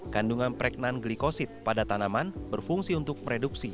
kandungan prek non glikosid pada tanaman berfungsi untuk mereduksi